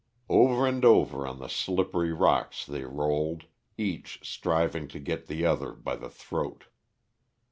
Over and over on the slippery rocks they rolled, each striving to get the other by the throat.